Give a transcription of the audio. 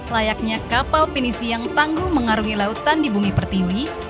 layaknya kapal pinisi yang tangguh mengarungi lautan di bumi pertiwi